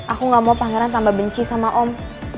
aku gak mau pangeran tambah benci sama om